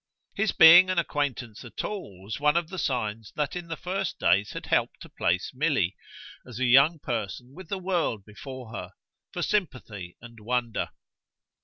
His being an acquaintance at all was one of the signs that in the first days had helped to place Milly, as a young person with the world before her, for sympathy and wonder.